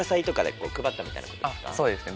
あっそうですね。